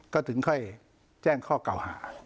ก็ถึงค่อยแจ้งข้อเก่าหา